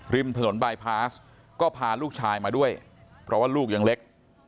ริมถนนบายพาสก็พาลูกชายมาด้วยเพราะว่าลูกยังเล็ก